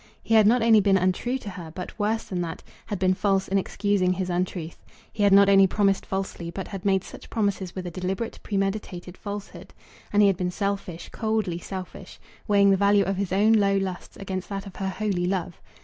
He had not only been untrue to her, but, worse than that, had been false in excusing his untruth. He had not only promised falsely, but had made such promises with a deliberate, premeditated falsehood. And he had been selfish, coldly selfish, weighing the value of his own low lusts against that of her holy love.